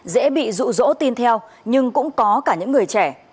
dễ bị rụ rỗ tin theo nhưng cũng có cả những người trẻ